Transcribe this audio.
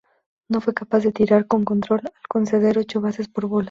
No fue capaz de tirar con control al conceder ocho bases por bolas.